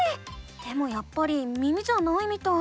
でもやっぱり耳じゃないみたい。